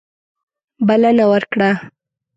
بلنه ورکړه.